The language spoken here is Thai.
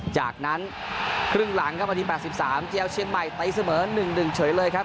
จากนั้นครึ่งหลังเข้ามาทีแปดสิบสามเจี๊ยวเชียร์ใหม่ไต้เสมอหนึ่งหนึ่งเฉยเลยครับ